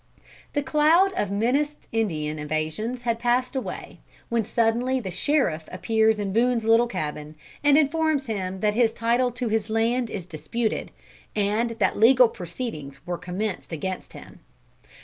The cloud of menaced Indian invasion had passed away, when suddenly the sheriff appears in Boone's little cabin, and informs him that his title to his land is disputed, and that legal proceedings were commenced against him.